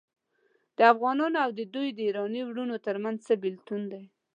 د افغانانو او د دوی ایراني وروڼو ترمنځ څه بیلتون دی.